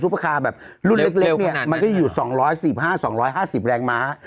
ประคาร์แบบรุ่นเล็กเนี่ยมันก็จะอยู่๒๑๕๒๕๐แรงม้า